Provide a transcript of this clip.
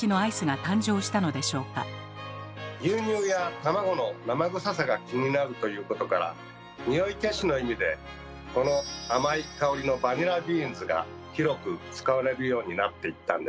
では牛乳や卵の生臭さが気になるということからにおい消しの意味でこの甘い香りのバニラビーンズが広く使われるようになっていったんです。